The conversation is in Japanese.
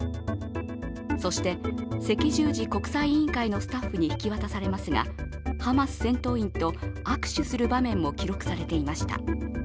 そして、赤十字国際委員会のスタッフに引き渡されますがハマス戦闘員と握手する場面も記録されていました。